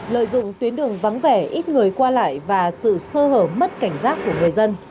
lợi dụng tuyến đường vắng vẻ ít người qua lại và sự sơ hở mất cảnh giác của người dân